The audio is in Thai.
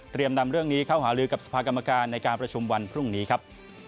นำเรื่องนี้เข้าหาลือกับสภากรรมการในการประชุมวันพรุ่งนี้ครับ